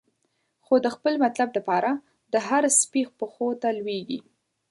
خو د خپل مطلب د پاره، د هر سپی پښو ته لویږی